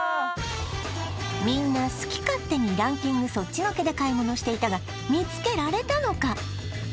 みんな好き勝手にランキングそっちのけで買い物していたが見つけられたのか？